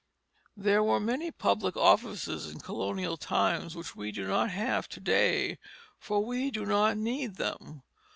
There were many public offices in colonial times which we do not have to day, for we do not need them.